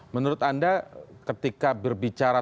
menurut anda ketika berbicara